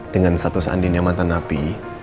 dengan status andin yang mantan api